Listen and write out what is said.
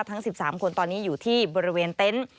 ทั้ง๑๓คนตอนนี้อยู่ที่บริเวณเต็นต์